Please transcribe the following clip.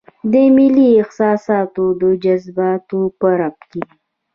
د ملي احساساتو او جذباتو په رپ کې.